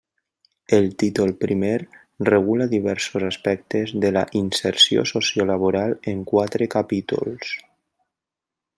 El títol primer regula diversos aspectes de la inserció sociolaboral en quatre capítols.